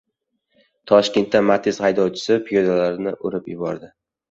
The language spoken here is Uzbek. Toshkentda "Matiz" haydovchisi piyodalarni urib yubordi